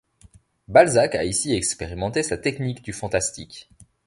Balzac a ici expérimenté sa technique du fantastique.